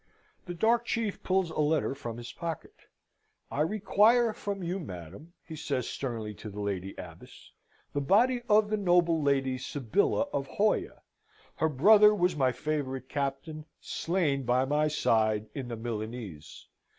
The dark chief pulls a letter from his pocket. "I require from you, madam," he says sternly to the Lady Abbess, "the body of the noble lady Sybilla of Hoya. Her brother was my favourite captain, slain by my side, in the Milanese.